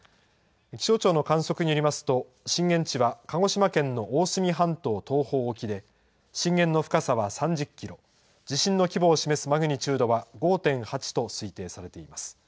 気象庁の観測によりますと、震源地は鹿児島県の大隅半島東方沖で、震源の深さは３０キロ、地震の規模を示すマグニチュードは５．８と推定されています。